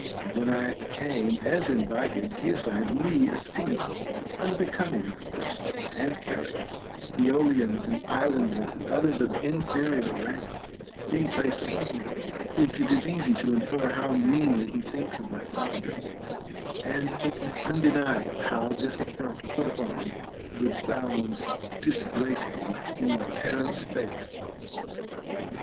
And when I came as invited, he assigned me a seat unbecoming my person and character, Aeolians and islanders and others of inferior rank being placed above me ; whence it is easy to infer how meanly he thinks of my father, and it is undeniable how this affront put upon me rebounds disgracefully in my parent's face.